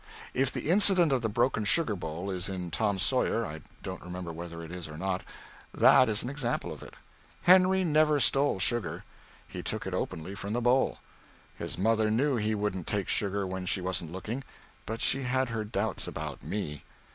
If the incident of the broken sugar bowl is in "Tom Sawyer" I don't remember whether it is or not that is an example of it. Henry never stole sugar. He took it openly from the bowl. His mother knew he wouldn't take sugar when she wasn't looking, but she had her doubts about me.